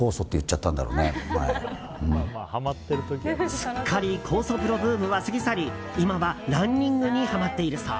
すっかり酵素風呂ブームは過ぎ去り今はランニングにハマっているそう。